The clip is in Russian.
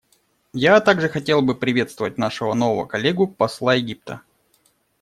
Я также хотела бы приветствовать нашего нового коллегу — посла Египта.